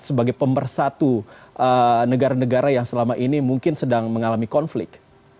sebagai pembersatu negara negara yang selama ini mungkin sedang mengalami konflik